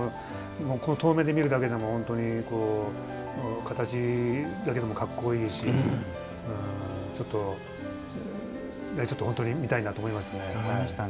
遠めで見るだけでも形だけでもかっこいいしちょっと、本当に見たいなと思いますね。